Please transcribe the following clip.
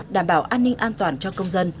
đảm bảo an ninh an toàn cho công dân